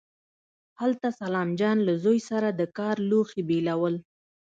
هلته سلام جان له زوی سره د کار لوښي بېلول.